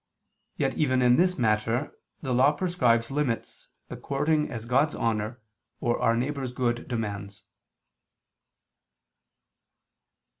Yet even in this matter the law prescribes limits according as God's honor or our neighbor's good demands.